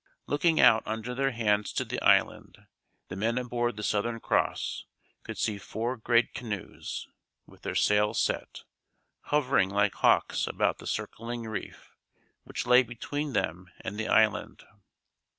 Looking out under their hands to the island, the men aboard The Southern Cross could see four great canoes, with their sails set, hovering like hawks about the circling reef which lay between them and the island.